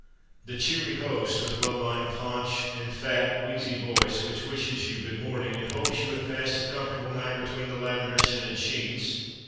The cheery host, with well lined paunch, and fat, wheezy voice, which wishes you good morning, and hopes you have passed a comfortable night between the lavender scented sheets.